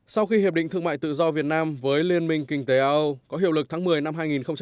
sau khi hiệp định thương mại tự do việt nam với liên minh kinh tế a âu có hiệu lực tháng một mươi năm hai nghìn một mươi tám